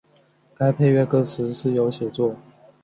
该配乐歌词是由写作。